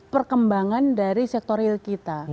perkembangan dari sektor real kita